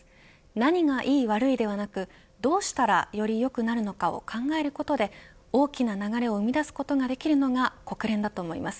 何がいい、悪いではなくどうしたら、より良くなるのかを考えることで大きな流れを生み出すことができるのが国連だと思います。